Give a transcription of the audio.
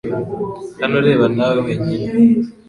Hano, reba nawe wenyine .